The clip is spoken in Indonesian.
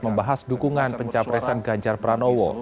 membahas dukungan pencapresan ganjar pranowo